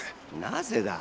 なぜだ？